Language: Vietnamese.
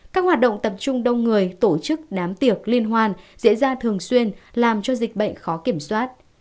các hoạt động tập trung đông người tổ chức đám tiệc liên hoan diễn ra thường xuyên làm cho dịch bệnh khó kiểm soát